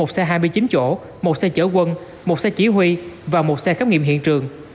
một xe hai mươi chín chỗ một xe chở quân một xe chỉ huy và một xe khám nghiệm hiện trường